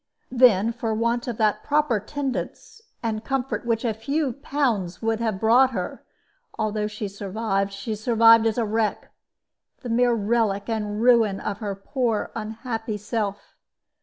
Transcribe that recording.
Then, for want of that proper tendance and comfort which a few pounds would have brought her, although she survived, she survived as a wreck, the mere relic and ruin of her poor unhappy self.